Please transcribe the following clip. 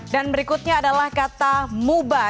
dan berikutnya adalah kata mubah